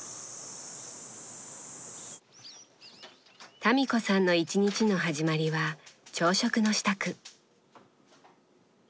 民子さんの一日の始まりは朝食の支度。